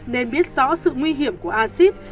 nên biết rõ sự nguy hiểm của asean